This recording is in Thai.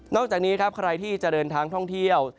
จากนี้ครับใครที่จะเดินทางท่องเที่ยว